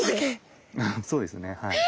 そうですねはい。